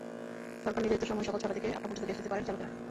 সরকারনির্ধারিত সময় সকাল ছয়টা থেকে আটটা পর্যন্ত গ্যাস নিতে পারেন চালকেরা।